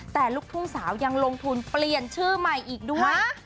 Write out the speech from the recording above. แต่ลูกทุ่งสาวยังลงทุนเปลี่ยนชื่อใหม่อีกด้วย